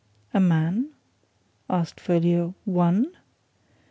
"A man?" asked Folliot. "One?"